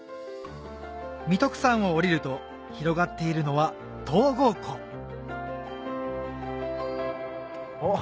三徳山を下りると広がっているのはおっ！